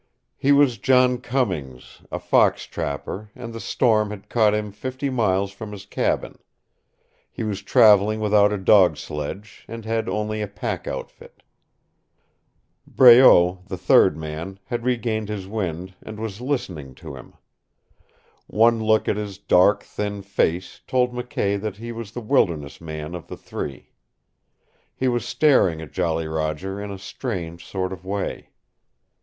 He was John Cummings, a fox trapper, and the storm had caught him fifty miles from his cabin. He was traveling without a dog sledge, and had only a pack outfit. Breault, the third man, had regained his wind, and was listening to him. One look at his dark, thin face told McKay that he was the wilderness man of the three. He was staring at Jolly Roger in a strange sort of way.